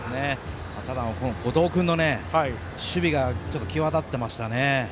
ただ後藤君の守備が際立ってましたね。